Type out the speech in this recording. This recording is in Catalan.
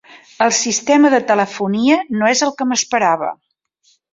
El sistema de telefonia no és el que m'esperava.